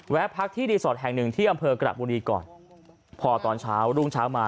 พักที่รีสอร์ทแห่งหนึ่งที่อำเภอกระบุรีก่อนพอตอนเช้ารุ่งเช้ามา